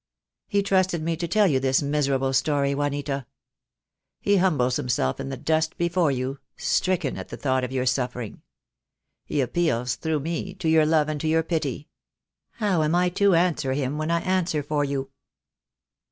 He trusted me to tell you this miserable story, Juanita. He humbles himself in the dust before you, stricken at the thought of your suffering. He appeals through me to your love and to your pity. How am I to answer him when I answer for you?"